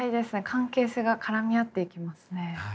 関係性が絡み合っていきますね。